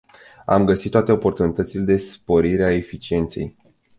Am găsit toate oportunitățile de sporire a eficienței.